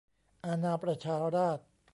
อาณาประชาราษฎร์